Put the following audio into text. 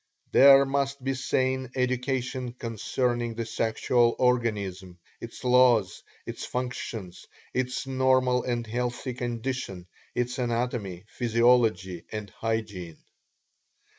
There must be sane education concerning the sexual organism, its laws, its functions, its normal and healthy condition, its anatomy, physiology and hygiene.